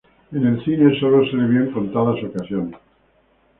En el cine, sólo se le vio en contadas ocasiones.